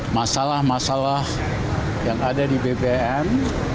masalah masalah yang ada di bpn